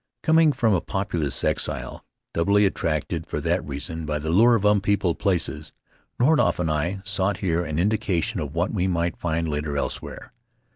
Coming from a populous exile, doubly attracted for that reason by the lure of unpeopled places, Nordhoff and I sought here an indication of what we might find later elsewhere.